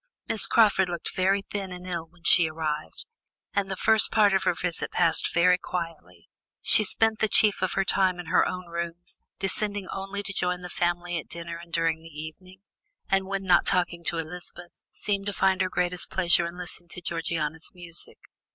Miss Crawford looked very thin and ill when she arrived, and the first part of her visit passed very quietly. She spent the chief of her time in her own rooms, descending only to join the family at dinner and during the evening, and when not talking to Elizabeth, seemed to find her greatest pleasure in listening to Georgiana's music.